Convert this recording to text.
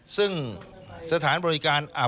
ซึ่งสถานบริการอับอบนี้นะครับ